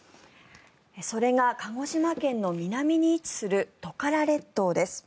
それが鹿児島県の南に位置するトカラ列島です。